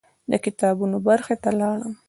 د کتابونو برخې ته لاړم.